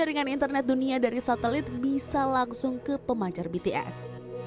jaringan internet dunia dari satelit bisa langsung ke pemancar bts